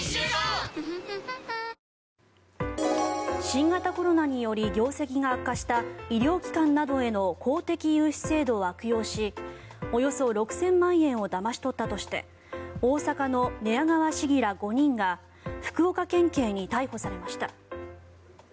新型コロナにより業績が悪化した医療機関などへの公的融資制度を悪用しおよそ６０００万円をだまし取ったとして大阪の寝屋川市議ら５人が福岡県警に逮捕されました。